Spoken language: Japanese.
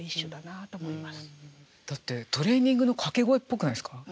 だってトレーニングの掛け声っぽくないですか？